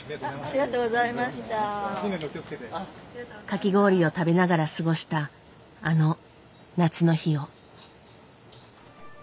かき氷を食べながら過ごしたあの夏の日を。